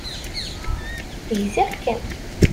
Gziɣ-kem.